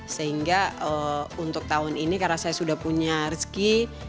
sehingga untuk tahun ini karena saya sudah punya rezeki